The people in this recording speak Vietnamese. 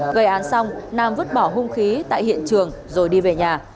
gây án xong nam vứt bỏ hung khí tại hiện trường rồi đi về nhà